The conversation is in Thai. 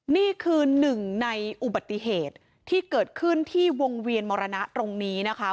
นี่คือหนึ่งในอุบัติเหตุที่เกิดขึ้นที่วงเวียนมรณะตรงนี้นะคะ